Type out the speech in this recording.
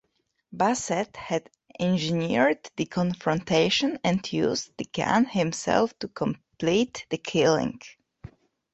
Bassett had engineered the confrontation and used the gun himself to complete the killing.